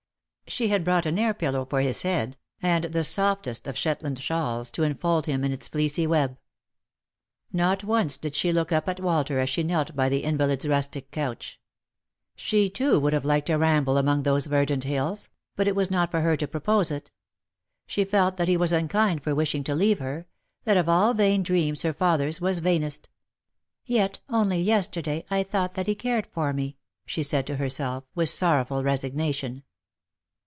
She had brought an air pillow for his head, and the softest of Shet land shawls to enfold him in its fleecy web. Not once did she look up at Walter as she knelt by the inva lid's rustic couch. She, too, would have liked a ramble among those verdant hills ; but it was not for her to propose it. She felt that he was unkind for wishing to leave her — that of all vain dreams her father's was vainest. " Yet, only yesterday, I thought that he cared for me," she said to herself, with sorrowful resignation.